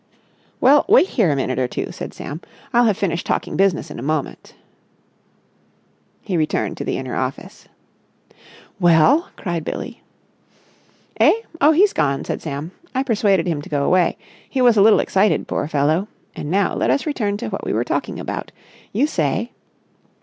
"Well, wait here a minute or two," said Sam. "I'll have finished talking business in a moment." He returned to the inner office. "Well?" cried Billie. "Eh? Oh, he's gone," said Sam. "I persuaded him to go away. He was a little excited, poor fellow. And now let us return to what we were talking about. You say...."